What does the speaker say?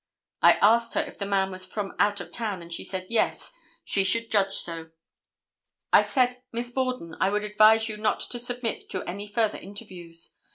I asked her if the man was from out of town, and she said yes, she should judge so. I said, 'Miss Borden, I would advise you not to submit to any further interviews.